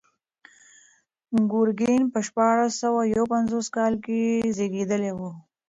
ګورګین په شپاړس سوه یو پنځوس کال کې زېږېدلی و.